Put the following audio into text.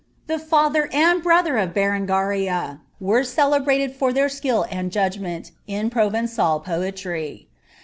The father and brother of Berengaria were celebrated (or 11 and judgment in Provencal poetry.'